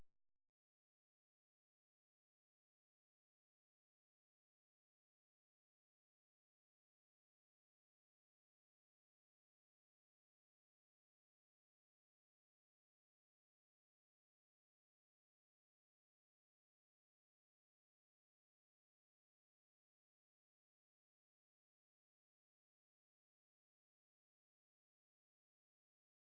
โปรดติดตามต่อไป